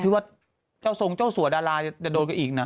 ที่ว่าเจ้าทรงเจ้าสัวดาราจะโดนไปอีกนะ